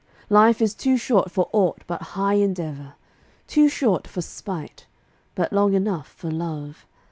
Life is too short for aught but high endeavor Too short for spite, but long enough for love.